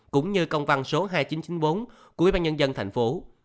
cũng như công văn số hai nghìn chín trăm chín mươi bốn của ủy ban nhân dân thành phố